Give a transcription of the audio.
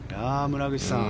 村口さん